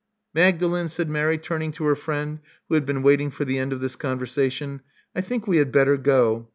Magdalen,'* said Mary, turning to her friend, who had been waiting for the end of this conversation: I think we had better go."